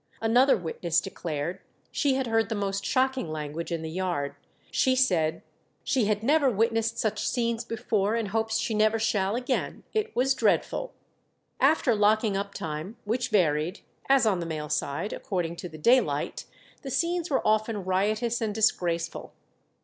Another witness declared she had heard the most shocking language in the yard; she said "she had never witnessed such scenes before, and hopes she never shall again it was dreadful!" After locking up time, which varied, as on the male side, according to the daylight, the scenes were often riotous and disgraceful.